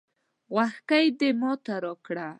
غوږيکې دې ماته راکړه